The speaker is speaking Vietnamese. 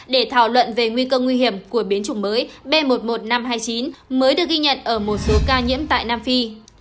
để thảo luận về nguy cơ nguy hiểm của biến chủng mới b một mươi một nghìn năm trăm hai mươi chín mới được ghi nhận ở một số ca nhiễm tại nam phi